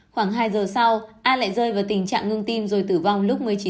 khoảng hai giờ sau ai lại rơi vào tình trạng ngưng tim rồi tử vong lúc một mươi chín h